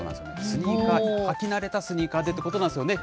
スニーカー、履き慣れたスニーカーってことなんですよね。